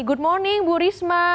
selamat pagi ibu risma